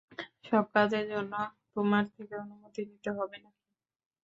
সব কাজের জন্য তোমার থেকে অনুমতি নিতে হবে নাকি?